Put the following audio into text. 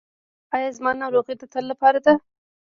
ایا زما ناروغي د تل لپاره ده؟